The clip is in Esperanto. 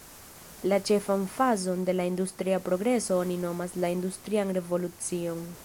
La ĉefan fazon de la industria progreso oni nomas la industrian revolucion.